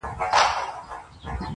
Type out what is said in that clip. بې سرحده یې قدرت او سلطنت دئ،